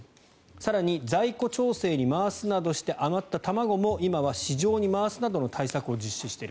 更に在庫調整に回すなどして余った卵も今は市場に回すなどの対策を実施している。